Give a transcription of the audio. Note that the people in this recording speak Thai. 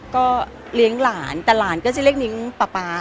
ก็เลี้ยงหลานแต่หลานก็จะเรียกนิ้งป๊าป๊า